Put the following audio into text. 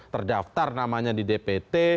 terdaftar namanya di dpt